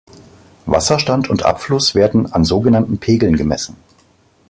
Wasserstand und Abfluss werden an sogenannten Pegeln gemessen.